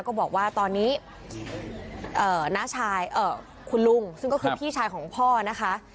ก็บอกว่าตอนนี้น้าชายคุณลุงซึ่งก็คือพี่ชายของพ่อนะคะ